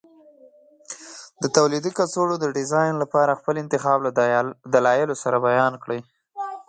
د تولیدي کڅوړو د ډیزاین لپاره خپل انتخاب له دلایلو سره بیان کړئ.